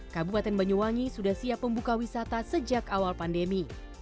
kabupaten banyuwangi sudah siap membuka wisata sejak awal pandemi